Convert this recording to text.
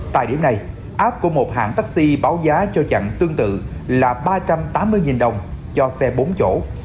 tại điểm này app của một hãng taxi báo giá cho chặn tương tự là ba trăm tám mươi đồng cho xe bốn chỗ